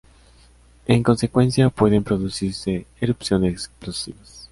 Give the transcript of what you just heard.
En consecuencia, pueden producirse erupciones explosivas.